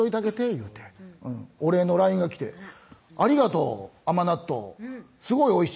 いうてお礼のＬＩＮＥが来て「ありがとう甘納豆すごいおいしい」